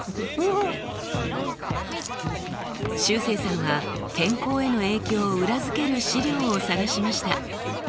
しゅうせいさんは健康への影響を裏付ける資料を探しました。